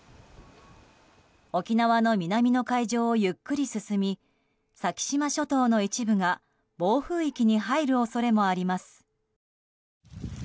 沖縄の南の海上をゆっくり進み先島諸島の一部が暴風域に入る恐れもあります。